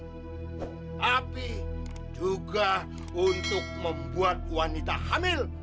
tapi juga untuk membuat wanita hamil